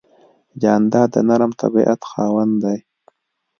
جانداد د نرم طبیعت خاوند دی.